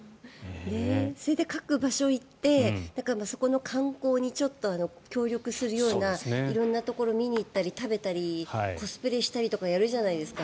それで各場所に行ってそこの観光にちょっと協力するような色んなところを見に行ったり食べたり、コスプレしたりとかやるじゃないですか。